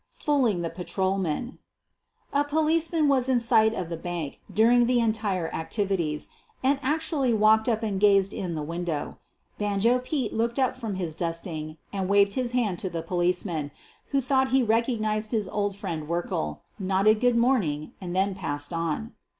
FOOLING THE PATROLMAN A policeman was in sight of the bank during the entire activities, and actually walked up and gazed in the window. " Banjo Pete" looked up from his dusting and waved his hand to the policeman, who thought he recognized his old friend Werkle, nodded "good morning," and then passed on.